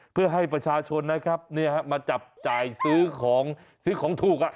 เพื่อให้ประชาชนนะครับมาจับจ่ายซื้อของซื้อของถูก